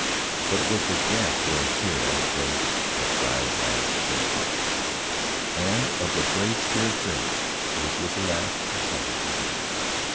But it was the gap where Hale was that died last and hardest and of the brave spirits there, his was the last and hardest to die.